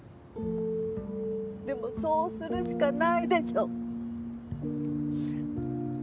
でもそうするしかないでしょ！